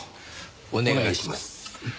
お願いします。